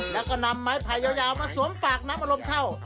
แล้วก็นำไม้ไผ่ยาวมาสวมปากน้ำอารมณ์เท่า